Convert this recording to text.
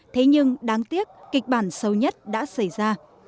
thế nhưng đáng tiếc kịch bản sâu nhất đã xảy ra